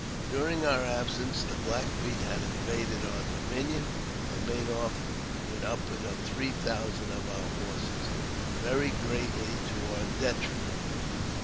During our absence the Black Feet had invaded our dominion, and made off with upward of three thousand of our horses, very greatly to our detriment.